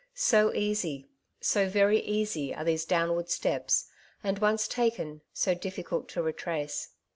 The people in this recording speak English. so easy, so very easy are these downward steps; and once taken, so difficult to retrace.